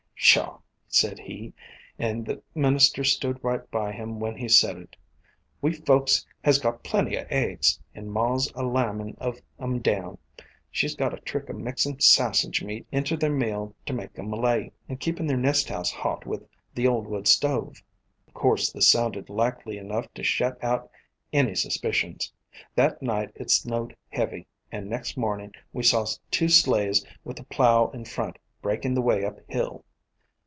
'Pshaw !' said he, an' the minister stood right by him when he said it, 'We folks has got plenty o' eggs, and ma 's a limin' of 'em down. She 's got a trick o' mixin' sassage meat into their meal ter make 'em lay, and keepin' their nesthouse hot with the old wood stove.' "Of course this sounded likely enough to shet off any suspicions. That night it snowed heavy, and next morning we saw two sleighs with a plow in front breakin' the way up hill.